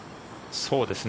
そうですね。